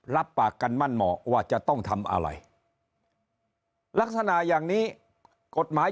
รับปากกันมั่นเหมาะว่าจะต้องทำอะไรลักษณะอย่างนี้กฎหมาย